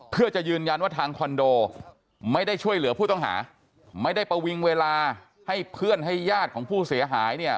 เพื่อจะยืนยันว่าทางคอนโดไม่ได้ช่วยเหลือผู้ต้องหาไม่ได้ประวิงเวลาให้เพื่อนให้ญาติของผู้เสียหายเนี่ย